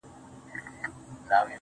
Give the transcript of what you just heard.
زما خبري خدايه بيرته راکه .